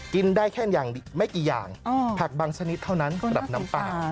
กินได้แค่อย่างไม่กี่อย่างผักบางชนิดเท่านั้นกับน้ำปลา